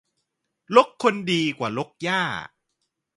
รกคนดีกว่ารกหญ้า